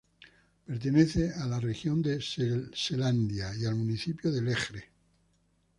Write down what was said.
Pertenece a la región de Selandia y al municipio de Lejre.